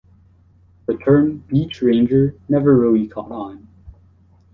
The term beach-ranger never really caught on.